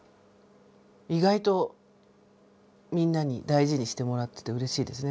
意外とみんなに大事にしてもらっててうれしいですね